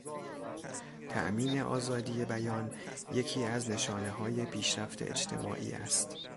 تامین آزادی بیان یکی از نشانههای پیشرفت اجتماعی است.